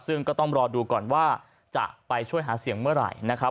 ซึ่งก็ต้องรอดูก่อนว่าจะไปช่วยหาเสียงเมื่อไหร่นะครับ